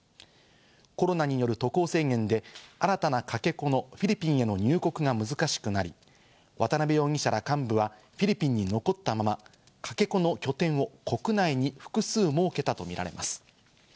コロナによる渡航制限で新たなかけ子のフィリピンへの入国が難しくなり、渡辺容疑者ら幹部はフィリピンに残ったまま、かけ子の拠点を国内に複数設けたとみられます。